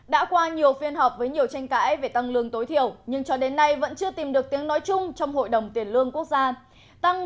đã qua nhiều phiên họp với nhiều tranh cãi về tăng lương tối thiểu nhưng cho đến nay vẫn chưa tìm được tiếng nói chung trong hội đồng tiền lương quốc gia